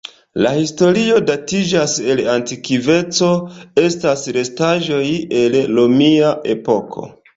La historio datiĝas el antikveco, estas restaĵoj el romia epoko.